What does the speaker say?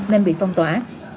nên bị phong tỏa